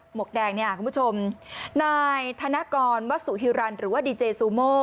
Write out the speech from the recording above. หมวกแดงคุณผู้ชมนายธนกรวัตสุฮิรันทร์หรือว่าดีเจซูโม